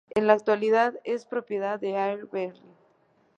En la actualidad, es propiedad de Air Berlin.